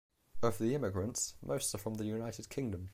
Of the immigrants, most are from the United Kingdom.